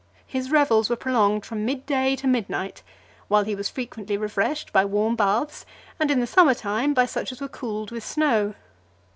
His revels were prolonged from mid day to midnight, while he was frequently refreshed by warm baths, and, in the summer time, by such as were cooled with snow.